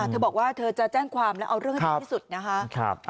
เธอบอกว่าเธอจะแจ้งความแล้วเอาเรื่องให้ถึงที่สุดนะคะ